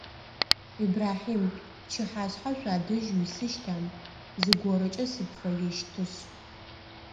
Ибрахьим, пчыхьашъхьэ шъуадэжь уисыщта, зыгорэкӏэ сыпфэещтышъ?